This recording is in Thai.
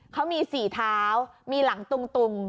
เขามี๔เท้ามีหลังตุง